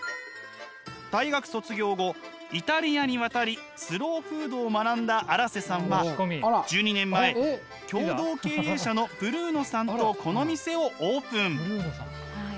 大学卒業後イタリアに渡りスローフードを学んだ荒瀬さんは１２年前共同経営者のブルーノさんとこの店をオープン。